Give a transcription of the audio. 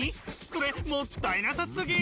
それもったいなさすぎ！